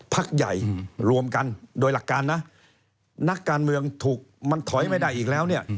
พักใหญ่รวมกันโดยหลักการนะนักการเมืองถูกมันถอยไม่ได้อีกแล้วเนี่ย